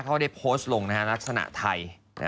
เขาได้โพสต์ลงลักษณะไทย